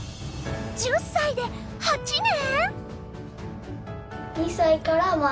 １０歳で８年！？